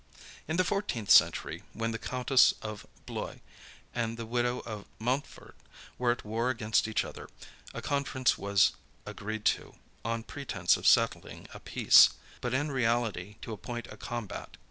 In the fourteenth century, when the Countess of Blois and the widow of Mountford were at war against each other, a conference was agreed to, on pretence of settling a peace, but in reality to appoint a combat.